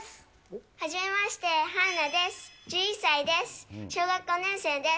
はじめまして、はんなです。